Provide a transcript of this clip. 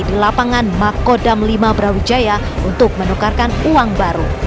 di lapangan makodam lima brawijaya untuk menukarkan uang baru